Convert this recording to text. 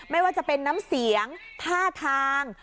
ไม่ว่าจะเป็นน้ำเสียงท่าทาง